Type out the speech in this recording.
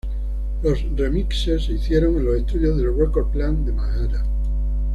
Los remixes se hicieron en los estudios de Record Plant de Manhattan.